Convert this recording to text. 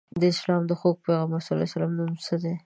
د اسلام د خوږ پیغمبر ص نوم څه دی؟